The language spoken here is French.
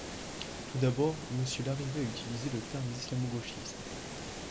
Tout d’abord, monsieur Larrivé a utilisé le terme d’islamo-gauchisme.